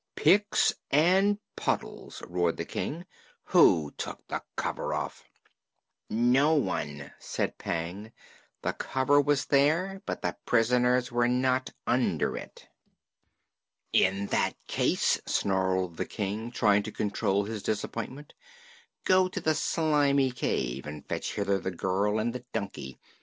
"Picks and puddles!" roared the King; "who took the cover off?" "No one," said Pang. "The cover was there, but the prisoners were not under it." "In that case," snarled the King, trying to control his disappointment, "go to the Slimy Cave and fetch hither the girl and the donkey.